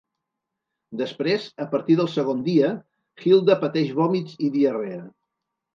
Després, a partir del segon dia, Hilda pateix vòmits i diarrea.